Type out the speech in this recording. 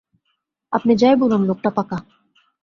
আপনি যাই বলুন, লোকটা পাকা।